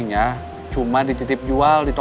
dan maksimal lima tahun rua ulang